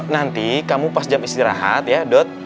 nanti kamu pas jam istirahat ya dot